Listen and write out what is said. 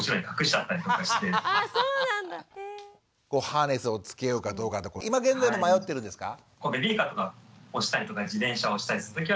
ハーネスをつけようかどうかって今現在も迷ってるんですか？